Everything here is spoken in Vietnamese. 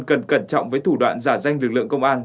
cần cẩn trọng với thủ đoạn giả danh lực lượng công an